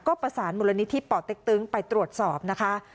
ก็ประสานมูลนิธิป่อเต็กตึงไปตรวจสอบนะคะ